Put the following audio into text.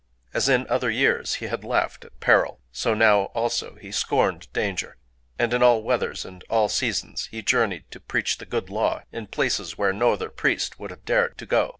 As in other years he had laughed at peril, so now also he scorned danger; and in all weathers and all seasons he journeyed to preach the good Law in places where no other priest would have dared to go.